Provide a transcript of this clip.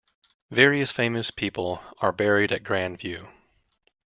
Various famous people are buried at Grand View.